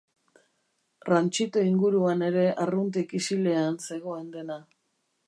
Ranchito inguruan ere arruntik isilean zegoen dena.